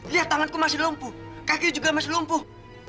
lihat tanganku masih lumpuh kaki juga masih lumpuh